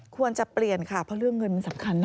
ควรจะเปลี่ยนค่ะเพราะเรื่องเงินมันสำคัญนะ